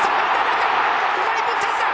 ここは日本チャンスだ！